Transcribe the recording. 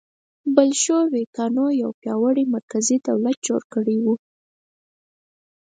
بلشویکانو یو پیاوړی مرکزي دولت جوړ کړی و